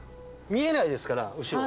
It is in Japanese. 見えないですから後ろ。